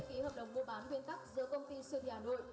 hãy đăng ký kênh để nhận thông tin nhất